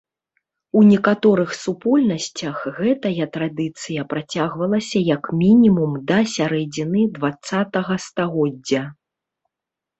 У некаторых супольнасцях гэтая традыцыя працягвалася як мінімум да сярэдзіны дваццатага стагоддзя.